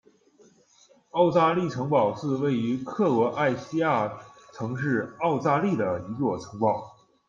奥扎利城堡是位于克罗埃西亚城市奥扎利的一座城堡。